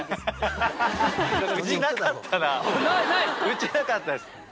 ウチなかったです。